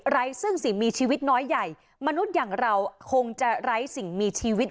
ซึ่งสิ่งมีชีวิตน้อยใหญ่มนุษย์อย่างเราคงจะไร้สิ่งมีชีวิต